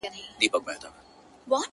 چي کوس ئې کولای سي ، اولس ئې نه سي کولای.